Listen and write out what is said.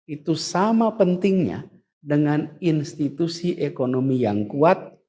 itu sama pentingnya dengan institusi ekonomi yang kuat